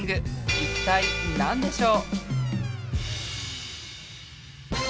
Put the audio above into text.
一体何でしょう？